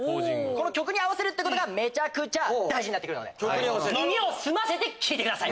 曲に合わせることがめちゃくちゃ大事になるので耳を澄まして聴いてください。